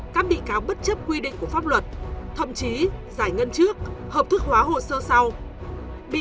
các bị cáo bất chấp quy định của pháp luật thậm chí giải ngân trước hợp thức hóa hồ sơ sau